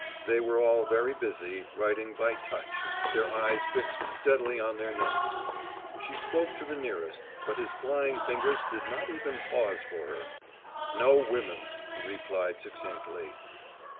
They were all very busy, writing by touch, their eyes fixed steadily on their notes. She spoke to the nearest, but his flying fingers did not even pause for her. "No women," he replied succinctly.